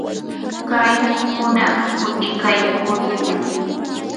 kay hunaq utikaykurquu.